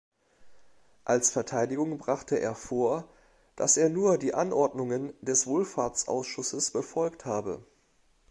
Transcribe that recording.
Als Verteidigung brachte er vor, dass er nur die Anordnungen des Wohlfahrtsausschusses befolgt habe.